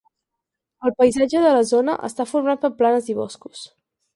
El paisatge de la zona està format per planes i boscos.